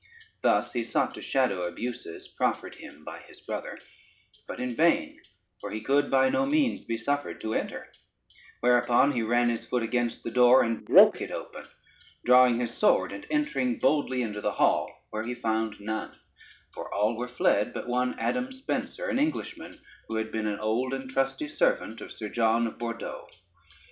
Thus he sought to shadow abuses proffered him by his brother, but in vain, for he could by no means be suffered to enter: whereupon he ran his foot against the door, and broke it open, drawing his sword, and entering boldly into the hall, where he found none, for all were fled, but one Adam Spencer, an Englishman, who had been an old and trusty servant to Sir John of Bordeaux.